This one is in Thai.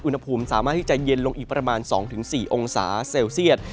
อุณหภูมิสามารถที่จะเย็นลงอีกประมาณ๒๔องศาเซลเซียต